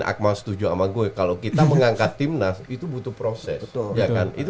akmal setuju sama gue kalau kita mengangkat timnas itu butuh proses ya kan itu